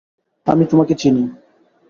আমি তোমাকে চিনি!